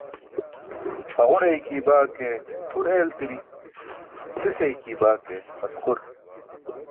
Haġur eykiybaa ke tʰur eeltiri, sis eykiybaa ke asqur.